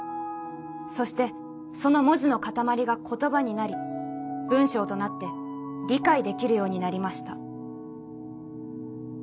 そしてその文字の固まりが言葉になり文章となって理解できるようになりました」。